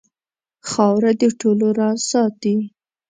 خاوره د ټولو راز ساتي.